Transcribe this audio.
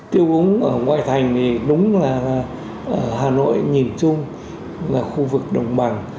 tiêu úng ở ngoại thành thì đúng là hà nội nhìn chung là khu vực đồng bằng